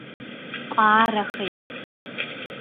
Ҟаарахеит…